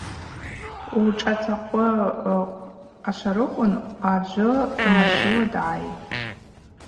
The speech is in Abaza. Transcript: Ушӏацӏахъвы кӏашварыквын аджвы дымлащиуа дгӏайитӏ.